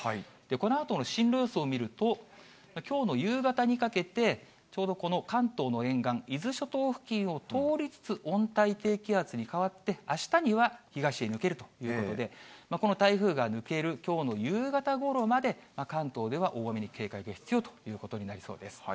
このあとの進路予想を見ると、きょうの夕方にかけて、ちょうどこの関東の沿岸、伊豆諸島付近を通りつつ温帯低気圧に変わって、あしたには東に抜けるということで、この台風が抜けるきょうの夕方ごろまで、関東では大雨に警戒が必要ということになりそうです。